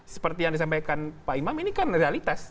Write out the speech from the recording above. seperti yang disampaikan pak imam ini kan realitas